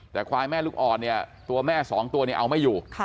แต่ควายแม่ลูกอ่อนเนี่ยตัวแม่สองตัวเนี่ยเอาไม่อยู่